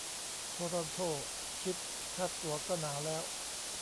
โทรอนโท ชิต ค่าตั๋วก็หนาวแล้ว